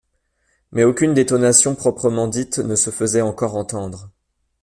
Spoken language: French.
Mais aucune détonation proprement dite ne se faisait encore entendre